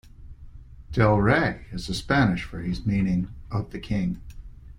Del Rey is a Spanish phrase meaning "of the king".